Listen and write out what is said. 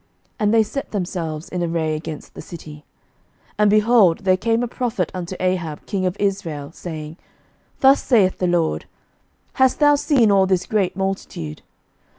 And they set themselves in array against the city. 11:020:013 And, behold, there came a prophet unto Ahab king of Israel, saying, Thus saith the LORD, Hast thou seen all this great multitude?